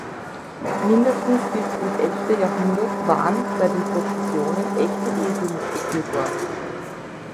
Mindestens bis ins elfte Jahrhundert waren bei den Prozessionen echte Esel mitgeführt worden.